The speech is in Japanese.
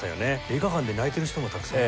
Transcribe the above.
映画館で泣いてる人もたくさん。